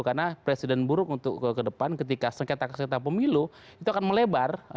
karena presiden buruk untuk ke depan ketika sekretar sekretar pemilu itu akan melebar